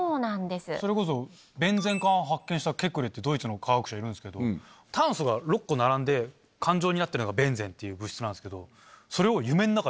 それこそベンゼン環を発見したケクレってドイツの化学者いるんですけど炭素が６個並んで環状になってるのがベンゼンっていう物質なんですけどそれを。